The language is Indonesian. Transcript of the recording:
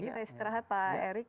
kita istirahat pak erick